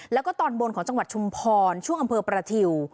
แล้วก็ตอนบนของจังหวัดชุมพรช่วงอำเภอประทิว